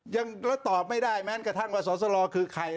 ยังแล้วตอบไม่ได้แม้กระทั่งว่าสอสลอคือใคร